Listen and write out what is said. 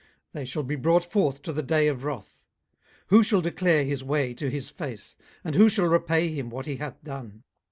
they shall be brought forth to the day of wrath. 18:021:031 Who shall declare his way to his face? and who shall repay him what he hath done?